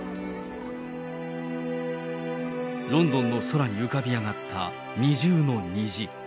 ロンドンの空に浮かび上がった二重の虹。